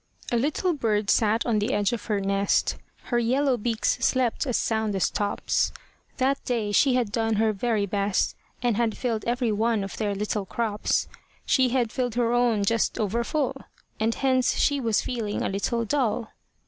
A little bird sat on the edge of her nest; Her yellow beaks slept as sound as tops; That day she had done her very best, And had filled every one of their little crops. She had filled her own just over full, And hence she was feeling a little dull.